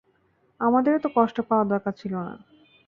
আমাদেরও তো কষ্ট পাওয়ার দরকার ছিলো না।